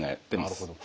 なるほど。